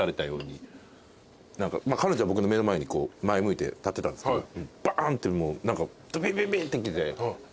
彼女は僕の目の前に前向いて立ってたんですけどバーンってもう。